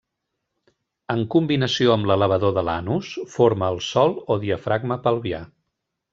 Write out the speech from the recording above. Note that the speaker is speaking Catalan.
En combinació amb l'elevador de l'anus, forma el sòl o diafragma pelvià.